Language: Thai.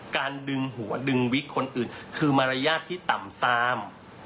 การดึงหัวดึงวิกคนอื่นคือมารยาทที่ต่ำซาม